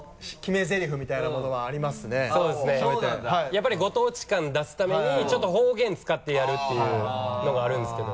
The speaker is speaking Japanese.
やっぱりご当地感出すためにちょっと方言使ってやるっていうのがあるんですけど。